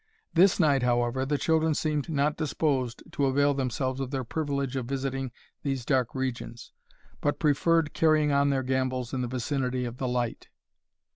This night, however, the children seemed not disposed to avail themselves of their privilege of visiting these dark regions, but preferred carrying on their gambols in the vicinity of the light.